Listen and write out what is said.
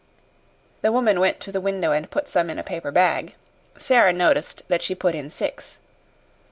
The woman went to the window and put some in a paper bag. Sara noticed that she put in six.